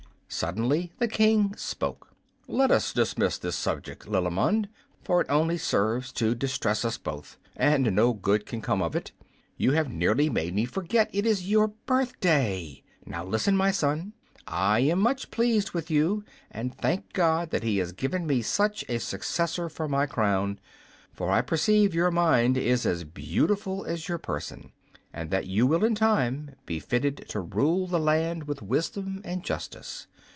Suddenly the King spoke. "Let us dismiss this subject, Lilimond, for it only serves to distress us both, and no good can come of it. You have nearly made me forget it is your birthday. Now listen, my son: I am much pleased with you, and thank God that he has given me such a successor for my crown, for I perceive your mind is as beautiful as your person, and that you will in time be fitted to rule the land with wisdom and justice.